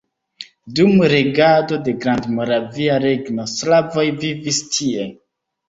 Dum regado de Grandmoravia Regno slavoj vivis tie.